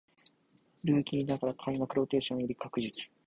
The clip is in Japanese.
ルーキーながら開幕ローテーション入り確実